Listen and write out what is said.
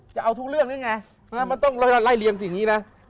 จะเอาทุกเรื่องนี่ไงมาต้องไร่เรียนสินะ